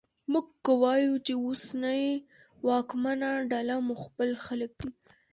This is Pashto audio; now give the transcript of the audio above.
موږ که وایوو چې اوسنۍ واکمنه ډله مو خپل خلک دي